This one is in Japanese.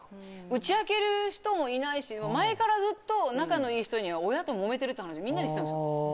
打ち明ける人もいないし、前からずっと、仲のいい人には親と、もめてるというのは前からしてたんですよ。